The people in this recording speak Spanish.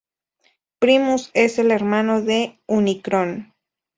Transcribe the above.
Primus es el hermano de Unicron.